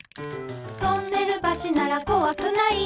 「トンネル橋ならこわくない」